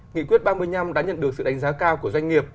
nghị quyết ba mươi năm đã nhận được sự đánh giá cao của doanh nghiệp